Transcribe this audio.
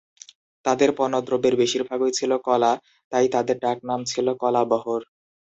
তাদের পণ্যদ্রব্যের বেশিরভাগই ছিল কলা, তাই তাদের ডাকনাম ছিল "কলা বহর"।